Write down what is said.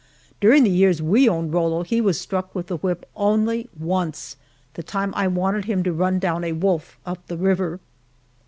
During the years we owned Rollo he was struck with the whip only once the time I wanted him to run down a wolf up the river.